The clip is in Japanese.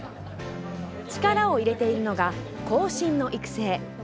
力を入れているのが後進の育成。